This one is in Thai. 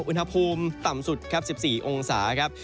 อุณหภูมิต่ำสุดครับ๑๔องศาครับ